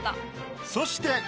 そして。